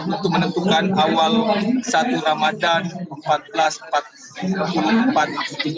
untuk menentukan awal satu ramadhan empat belas empat puluh empat tujuh